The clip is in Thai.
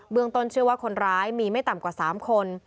ต้นเชื่อว่าคนร้ายมีไม่ต่ำกว่า๓คน